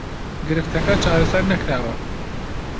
گرفتەکە چارەسەر نەکراوە